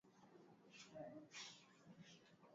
Na kizazi cha mwisho au utawala wa mwisho